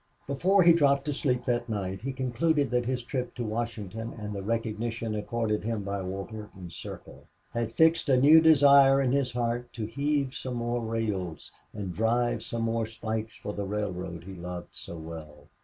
Before he dropped to sleep that night he concluded that his trip to Washington, and the recognition accorded him by Warburton's circle, had fixed a new desire in his heart to heave some more rails and drive some more spikes for the railroad he loved so well.